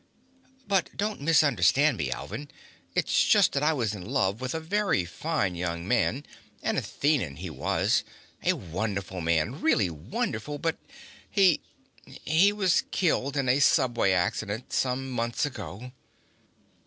"... but don't misunderstand me, Alvin. It's just that I was in love with a very fine young man. An Athenan, he was. A wonderful man, really wonderful. But he he was killed in a subway accident some months ago."